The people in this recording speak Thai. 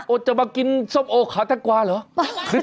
โอ๊ยจะมากินส้มหอยขนาดกว่าเหรอ